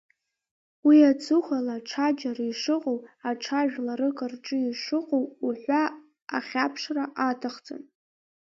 Уи аҵыхәала аҽаџьара ишыҟоу, аҽа жәларык рҿы ишыҟоу уҳәа ахьаԥшра аҭахӡам.